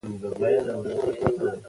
ژوند د ښو کارونو په یاد پاته کېږي.